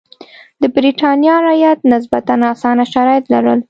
د برېټانیا رعیت نسبتا اسانه شرایط لرل.